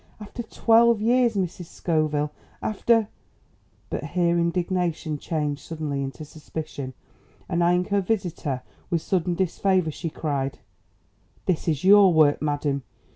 After twelve years, Mrs. Scoville! After " But here indignation changed suddenly into suspicion, and eyeing her visitor with sudden disfavour she cried: "This is your work, madam.